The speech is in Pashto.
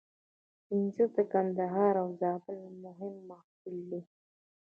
انځر د کندهار او زابل مهم محصول دی